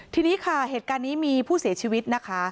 ทีนี้ค่ะเหตุการณ์นี้มีผู้เสียชีวิตนะคะ